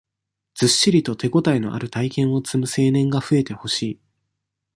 ずっしりと手応えのある体験を積む青年が増えてほしい。